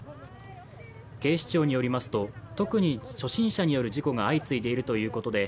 警視庁によりますと、特に初心者による事故が相次いでいるということです。